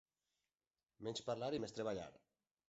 Menys parlar i més treballar.